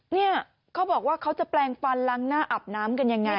เนี่ยเขาบอกว่าเขาจะแปลงฟันล้างหน้าอาบน้ำกันยังไง